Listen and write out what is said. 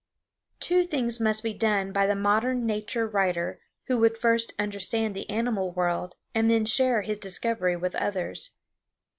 Two things must be done by the modern nature writer who would first understand the animal world and then share his discovery with others.